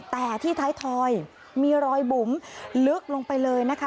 แต่ที่ท้ายทอยมีรอยบุ๋มลึกลงไปเลยนะคะ